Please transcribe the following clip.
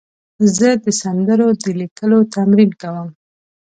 زه د سندرو د لیکلو تمرین کوم.